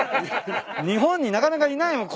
日本になかなかいないもん。